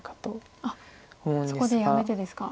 そこでやめてですか。